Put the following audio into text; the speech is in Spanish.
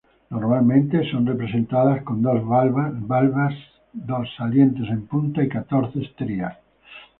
Normalmente son representadas con dos valvas, dos salientes en punta y catorce estrías.